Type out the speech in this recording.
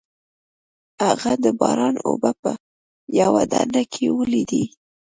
هغه د باران اوبه په یوه ډنډ کې ولیدې.